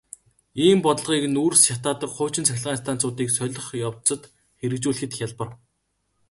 Ийм бодлогыг нүүрс шатаадаг хуучин цахилгаан станцуудыг солих явцад хэрэгжүүлэхэд хялбар.